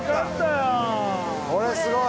これすごい！